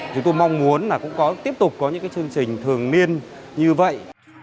chúng tôi mong muốn tiếp tục có những chương trình thường niên như vậy